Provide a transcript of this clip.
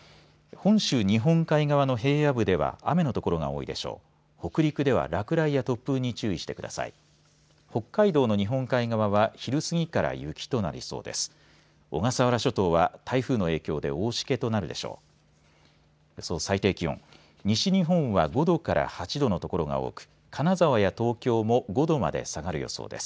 北海道の日本海側は昼すぎから雪となりそうです。